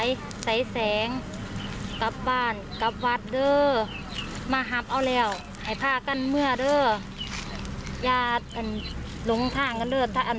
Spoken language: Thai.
อย่ารุ้มทางกันด้วย